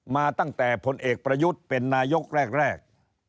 มาตั้งแต่ผลเอกประยุทธ์เป็นนายกแรก